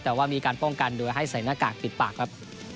แต่ว่ามีการป้องกันโดยให้ใส่หน้ากากปิดปากครับ